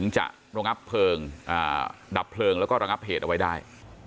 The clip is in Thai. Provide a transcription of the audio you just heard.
จะระงับเพลิงดับเพลิงแล้วก็ระงับเหตุเอาไว้ได้